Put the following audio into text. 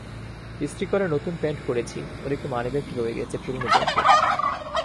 ইস্ত্রি করা নতুন প্যান্ট পরেছি, ওদিকে মানিব্যাগটা রয়ে গেছে পুরোনো প্যান্টে।